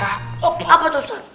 apa tuh ustadz